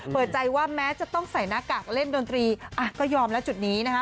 เปิดใจว่าแม้จะต้องใส่หน้ากากเล่นดนตรีอ่ะก็ยอมแล้วจุดนี้นะคะ